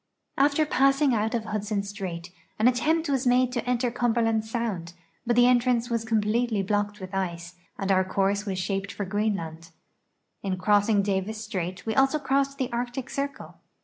After passing out of Hudson strait, an attempt was made to enter Cumberland sound, l)Ut the entrance was conipletely blocked with ice, and our course was shaped for (Jreenland. In crossing Davis strait we also cro.ssed the Arctic Circle.